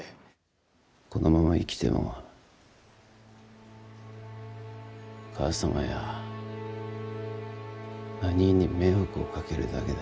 このまま生きても母さまや、あにぃに迷惑をかけるだけだ。